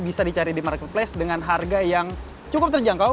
bisa dicari di marketplace dengan harga yang cukup terjangkau